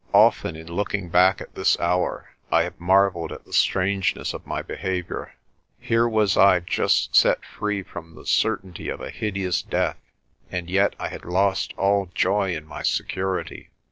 Often in looking back at this hour I have marvelled at the strangeness of my behaviour. Here was I just set free from the certainty of a hideous death, and yet I had lost all joy in my security.